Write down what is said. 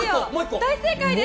大正解です！